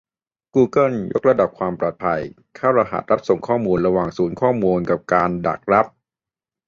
กูเกิลยกระดับความปลอดภัย เข้ารหัสรับส่งข้อมูลระหว่างศูนย์ข้อมูล กันการดักรับ